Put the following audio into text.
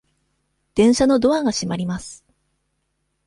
電車のドアが閉まります。